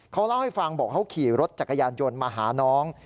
เขาเล่าให้ฟังบอกเขาขี่รถจักรยานยนต์มาหาน้อง